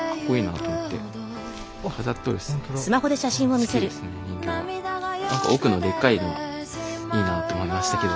あと奥のでかいのはいいなと思いましたけど。